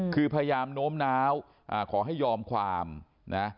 คือพยายามโน้มน้าวขอให้ยอมความนะ